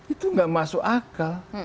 itu tidak masuk akal